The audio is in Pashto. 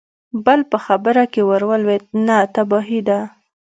بل په خبره کې ور ولوېد: نه، تباهي ده!